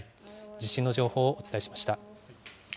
地震の情報をお伝えしました。